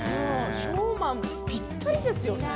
ショーマンがぴったりですね。